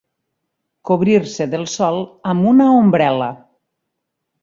Cobrir-se del sol amb una ombrel·la.